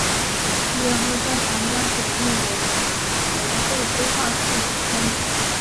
毕业后在长江水利委员会规划处工。